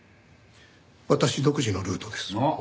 私独自のルートです。